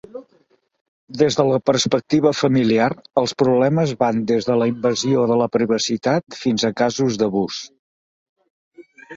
Des de la perspectiva familiar, els problemes van des de la invasió de la privacitat fins a casos d'abús.